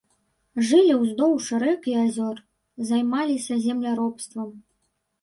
Жылі ўздоўж рэк і азёр, займаліся земляробствам.